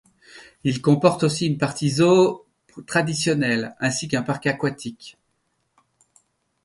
Il comporte aussi une partie zoo traditionnel, ainsi qu'un parc aquatique.